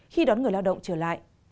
khi đón người lao động trở lại